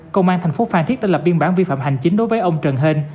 công an thành phố phan thiết đã lập biên bản vi phạm hành chính đối với ông trần hên